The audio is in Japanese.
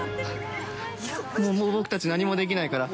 もう僕たち何もできないから。